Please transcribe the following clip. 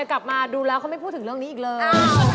กลับมาดูแล้วเขาไม่พูดถึงเรื่องนี้อีกเลย